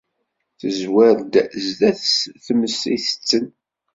Tezwar-d sdat-s tmes ittetten.